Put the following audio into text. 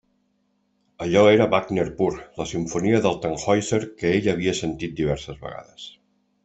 Allò era Wagner pur; la simfonia del Tannhäuser que ell havia sentit diverses vegades.